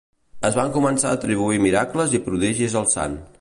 Es van començar a atribuir miracles i prodigis al sant.